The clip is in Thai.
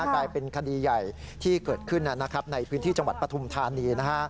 กลายเป็นคดีใหญ่ที่เกิดขึ้นในพื้นที่จังหวัดปฐุมธานี